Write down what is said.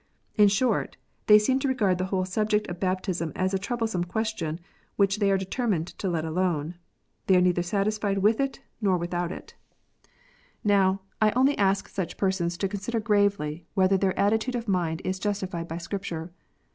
In short, they seem to regard the whole subject of baptism as a troublesome question, which they are determined to let alone. They are neither satisfied with it, nor without it. 104 KNOTS UNTIED. Xow, I only ask such persons to consider gravely, whether their attitude of mind is justified by Scripture.